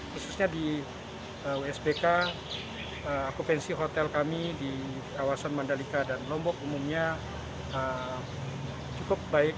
khususnya di wsbk akupensi hotel kami di kawasan mandalika dan lombok umumnya cukup baik